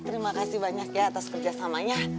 terima kasih banyak ya atas kerjasamanya